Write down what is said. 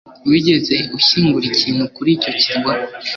Wigeze ushyingura ikintu kuri icyo kirwa